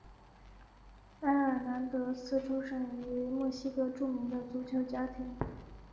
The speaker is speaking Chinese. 埃尔南德斯出生于墨西哥著名的足球家庭。